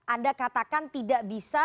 anda katakan tidak bisa